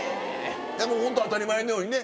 ホント当たり前のようにね。